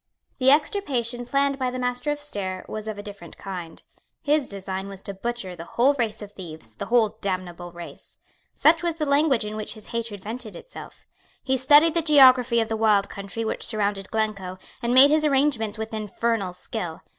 The extirpation planned by the Master of Stair was of a different kind. His design was to butcher the whole race of thieves, the whole damnable race. Such was the language in which his hatred vented itself. He studied the geography of the wild country which surrounded Glencoe, and made his arrangements with infernal skill.